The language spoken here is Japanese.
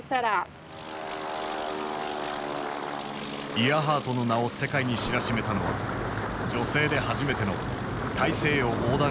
イアハートの名を世界に知らしめたのは女性で初めての大西洋横断飛行だった。